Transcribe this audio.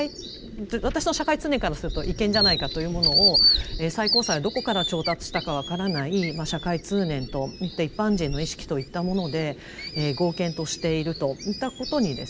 私の社会通念からすると違憲じゃないかというものを最高裁はどこから調達したか分からない社会通念と一般人の意識といったもので合憲としているといったことにですね